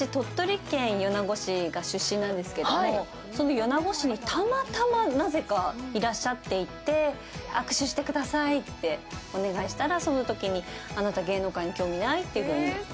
米子市にたまたま、なぜかいらっしゃっていて握手してくださいってお願いしたらそのときにあなた芸能界に興味ない？っていうふうに。